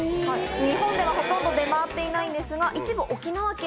日本ではほとんど出回っていないんですが。